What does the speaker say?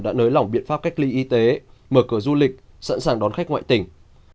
đã nới lỏng biện pháp cách ly y tế mở cửa du lịch sẵn sàng đón khách ngoại tỉnh